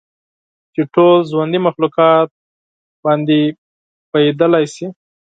چې ټول ژوندي مخلوقات پرې پوهیدلی شي.